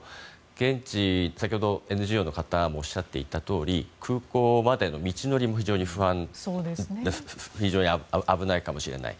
現地は、先ほどＮＧＯの方もおっしゃっていたとおり空港までの道のりも非常に危ないかもしれない。